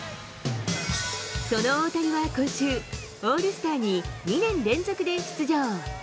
その大谷は今週、オールスターに２年連続で出場。